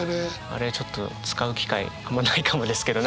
あれちょっと使う機会あんまないかもですけど。